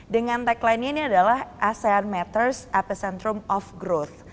dengan tagline nya ini adalah asean matters epicentrum of growth